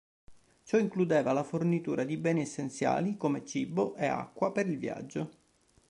Ciò includeva la fornitura di beni essenziali come cibo e acqua per il viaggio.